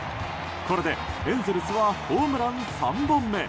これでエンゼルスはホームラン３本目。